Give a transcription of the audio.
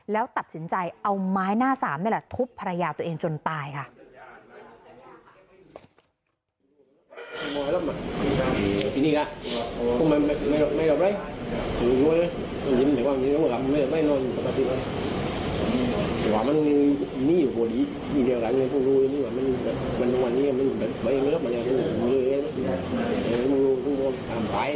แล้วตัดสินใจเอาไม้หน้าสามนี่แหละทุบภรรยาตัวเองจนตายค่ะ